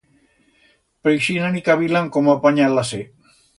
Preixinan y cavilan cómo apanyar-las-se.